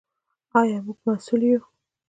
آیا موږ مسوول یو؟